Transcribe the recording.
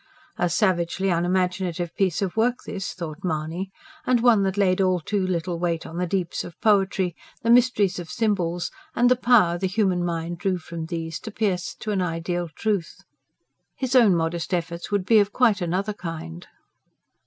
A savagely unimaginative piece of work this, thought Mahony, and one that laid all too little weight on the deeps of poetry, the mysteries of symbols, and the power the human mind drew from these, to pierce to an ideal truth. His own modest efforts would be of quite another kind.